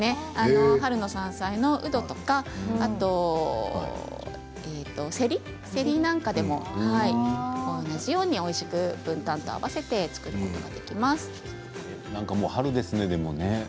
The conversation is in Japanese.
春の山菜のうどとかせりなんかでも、同じようにおいしく、ぶんたんと合わせてなんかもう春ですね。